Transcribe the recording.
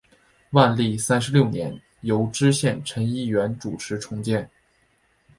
万历三十六年由知县陈一元主持重建。